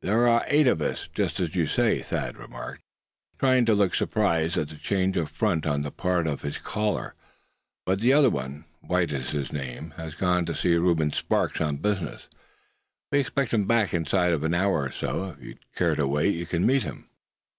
"There are eight of us, just as you say," Thad remarked, trying to look surprised at the change of front on the part of his caller; "but the other one, White his name is, has gone to see Reuben Sparks on business. We expect him back inside of an hour or so. If you'd care to wait you can meet him."